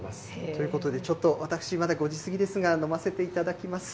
ということで、ちょっと、私、まだ５時過ぎですが、飲ませていただきます。